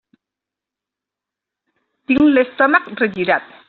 Tinc l'estómac regirat.